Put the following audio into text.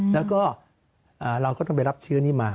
แล้วก็เราก็ต้องไปรับเชื้อนี้มา